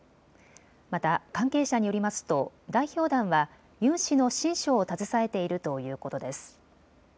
また関係者によりますと代表団はユン氏の親書を携えているということです。